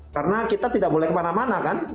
karena kita tidak boleh kemana mana kan